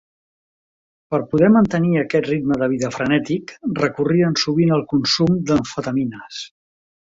Per poder mantenir aquest ritme de vida frenètic, recorrien sovint al consum d'amfetamines.